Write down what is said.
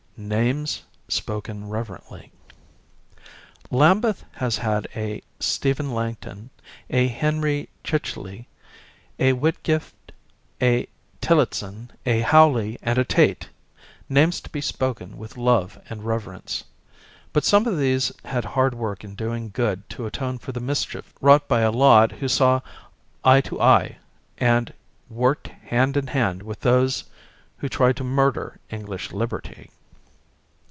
Names Spolcen Reverently Lambeth has had a Stephen Langton, a Henry Chicheley, a Whitgift, a Tillot son, a Howley and a Tait, names to be spoken with love and reverence â€" but some of these had hard work in doing good to atone for the mischief wrought by a Laud who "saw eye to eye" and "worked hand in hand with those who tried to murder EngUsh liberty."